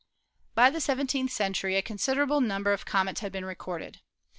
By the seventeenth century a considerable number of comets had been recorded.